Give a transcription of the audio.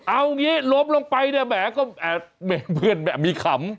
เอาอย่างนี้ล้มลงไปเนี่ยแหมก็แหมเพื่อนแหมมีขำ